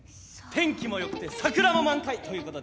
天気も良くて桜も満開ということでね